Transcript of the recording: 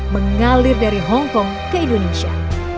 mengalir dari hongkong ke indonesia